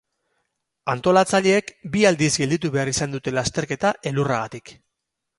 Antolatzaileek bi aldiz gelditu behar izan dute lasterketa elurragatik.